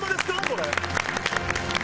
これ。